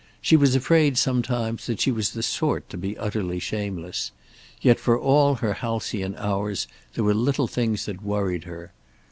She was afraid sometimes that she was the sort to be utterly shameless. Yet, for all her halcyon hours, there were little things that worried her.